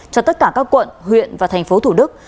cho tất cả các quận huyện và thành phố thủ đức